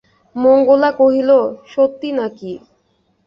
মঙ্গলা কহিল, সত্যি নাকি?